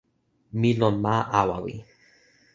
mi lon ma Awawi.